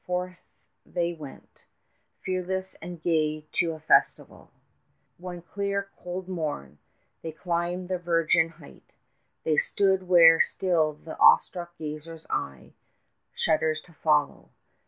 Forth they went, Fearless and gay as to a festival, One clear, cold morn: they climbed the virgin height; They stood where still the awestruck gazer's eye 50 Shudders to follow.